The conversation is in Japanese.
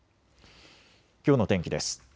きょうの天気です。